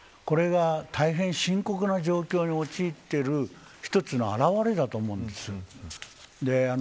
これが大変深刻な状況に陥っている一つの表れだと思うんです。